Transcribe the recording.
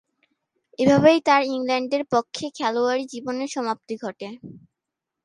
এভাবেই তার ইংল্যান্ডের পক্ষে খেলোয়াড়ী জীবনের সমাপ্তি ঘটে।